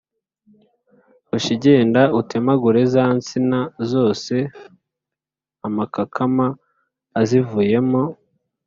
Hoshi genda utemagure za nsina zose, amakakama azivuyemo